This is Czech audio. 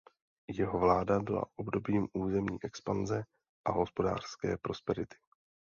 Jeho vláda byla obdobím územní expanze a hospodářské prosperity.